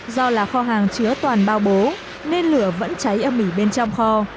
do là kho hàng chứa toàn bao bố nên lửa vẫn cháy âm ỉ bên trong kho